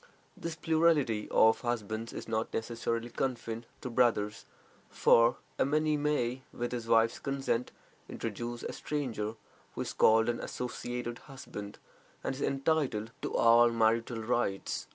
This plurality of husbands is not necessarily confined to brothers, for a man may, with his wife's consent, introduce a stranger, who is called an "associated husband," and is entitled to all marital rights.